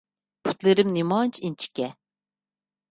پۇتلىرىم نېمانچە ئىنچىكە؟!